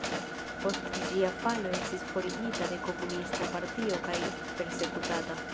Post ĝia falo estis forigita de komunista partio kaj persekutata.